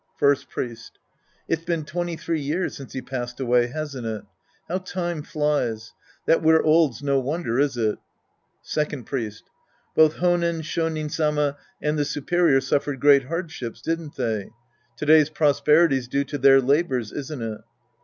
First Priest. It's been twenty three years since he passed away, hasn't it ? How time flies ! That we're old's no wonder, is it ? Second Priest. Both H5nen Shonin Sama and the superior suffered great hardships, didn't they? To day's prosperity's due to their labors, isn't it